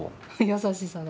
優しさが。